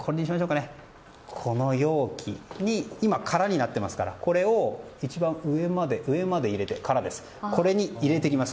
この容器に今、空になってますからこれを、一番上まで開けて入れていきます。